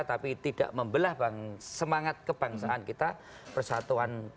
tapi tidak membelah semangat kebangsaan kita persatuan